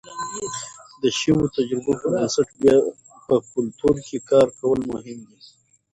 د شویو تجربو پر بنسټ بیا په کلتور کې کار کول مهم دي.